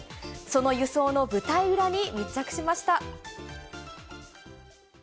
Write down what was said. その輸送の舞台裏に密着しました。